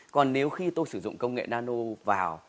còn nếu khi tôi sử dụng công nghệ nano vào